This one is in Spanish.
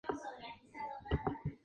Es la playa más larga de Vizcaya.